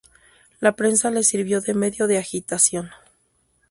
La prensa le sirvió de medio de agitación.